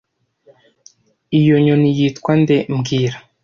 Iyo nyoni yitwa nde mbwira